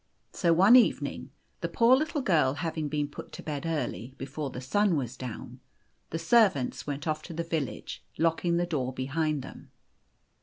So one evening, the poor little girl having been put to bed early, before the sun was down, the servants went off to the village, locking the door behind them.